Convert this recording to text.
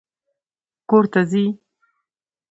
کور ته ځې؟